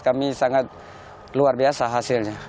kami sangat luar biasa hasilnya